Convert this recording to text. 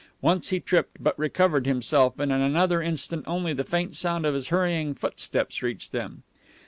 Once he tripped, but recovered himself, and in another instant only the faint sound of his hurrying footsteps reached them.